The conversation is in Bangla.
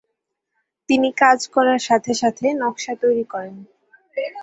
তিনি কাজ করার সাথে সাথে নকশা তৈরি করেন।